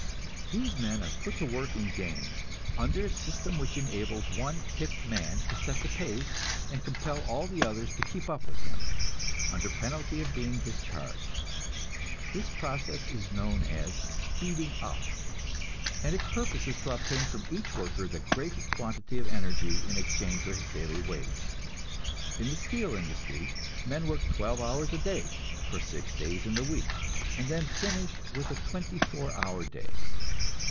These men are put to work in gangs, under a system which enables one picked man to set the pace, and compel all the others to keep up with him, under penalty of being discharged. This process is known as "speeding up," and its purpose is to obtain from each worker the greatest quantity of energy in exchange for his daily wage. In the steel industry men work twelve hours a day for six days in the week, and then finish with a twenty four hour day.